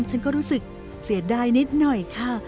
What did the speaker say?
ฉันก็รู้สึกเสียดายนิดหน่อยค่ะ